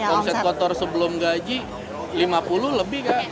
omset kotor sebelum gaji lima puluh lebih kak